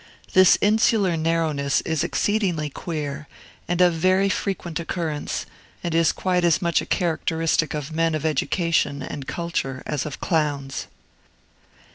This insular narrowness is exceedingly queer, and of very frequent occurrence, and is quite as much a characteristic of men of education and culture as of clowns.